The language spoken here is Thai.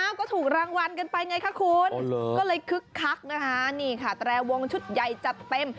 ก็ถูกรางวัลกันไปไงคะคุณก็เลยคึกคักนะคะนี่ค่ะแตรวงชุดใหญ่จัดเต็ม